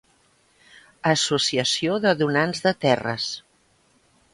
Associació de donants de terres.